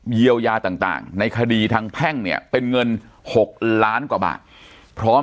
เยียวยาต่างในคดีทางแพ่งเนี่ยเป็นเงิน๖ล้านกว่าบาทพร้อม